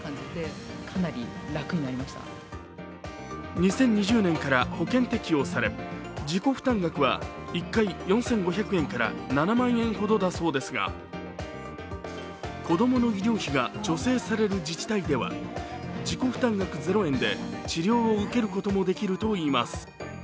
２０２０年から保険適用され、自己負担額は１回４５００円から７万円ほどだそうですが、子供の医療費が助成される自治体では自己負担額０円で治療を受けることもできるといいます。